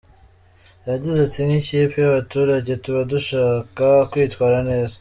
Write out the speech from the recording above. Yagize ati "Nk’ikipe y’abaturage tuba dushaka kwitwara neza.